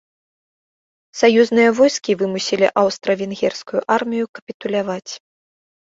Саюзныя войскі вымусілі аўстра-венгерскую армію капітуляваць.